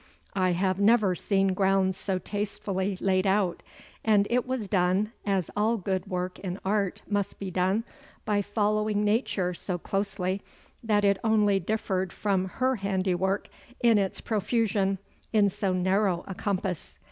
I have never seen grounds so tastefully laid out, and it was done, as all good work in art must be done, by following Nature so closely that it only differed from her handiwork in its profusion in so narrow a compass.